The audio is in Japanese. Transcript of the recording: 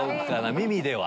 耳では。